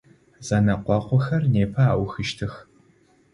Зэнэкъокъухэр непэ аухыщтых.